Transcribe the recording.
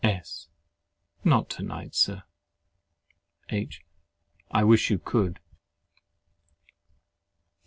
S. Not to night, Sir. H. I wish you could.